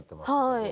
はい。